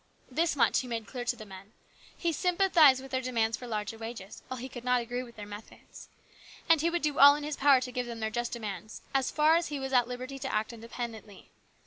This much he made clear to the men. He sym pathized with their demands for larger wages, while he could not agree with their methods. And he would do all in his power to give them their just demands, as far as he was at liberty to act independ ently.